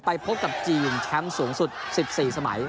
พบกับจีนแชมป์สูงสุด๑๔สมัย